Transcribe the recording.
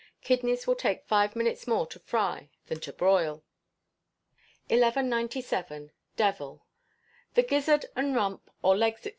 Kidneys will take five minutes more to fry than to broil. 1197. Devil. The gizzard and rump, or legs, &c.